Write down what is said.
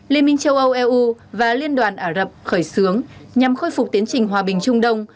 liên minh châu âu eu và liên đoàn ả rập khởi xướng nhằm khôi phục tiến trình hòa bình trung đông